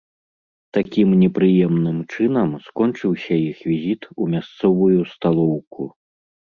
Такім непрыемным чынам скончыўся іх візіт у мясцовую сталоўку.